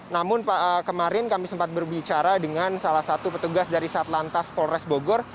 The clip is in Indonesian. namun kemarin kami sempat berbicara dengan salah satu petugas dari satlantas polres bogor